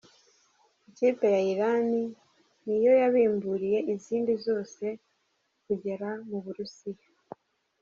Ikipe ya Irani ni yo yabimburiye izindi zose kugera mu Burusiya.